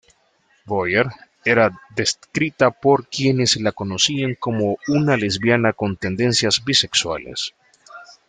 Boyer era descrita por quienes la conocían como una lesbiana con tendencias bisexuales.